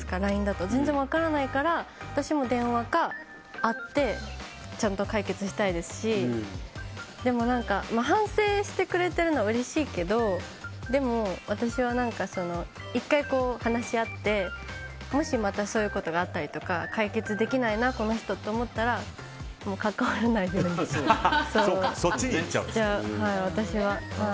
全然分からないから私も電話か会ってちゃんと解決したいですしでも、反省してくれているのはうれしいけどでも私は、１回話し合ってもし、またそういうことがあったりとか解決できない、この人と思ったらそっちにいっちゃうと。